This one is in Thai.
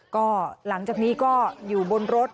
ก็หลังจากนี้ก็อยู่บนรถ